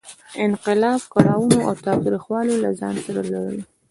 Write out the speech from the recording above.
انقلاب کړاوونه او تاوتریخوالی له ځان سره لرلې.